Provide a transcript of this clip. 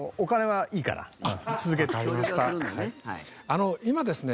あの今ですね